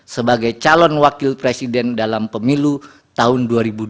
sebagai calon wakil presiden dalam pemilu tahun dua ribu dua puluh